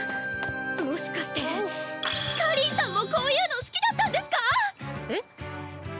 もしかして果林さんもこういうの好きだったんですか⁉え？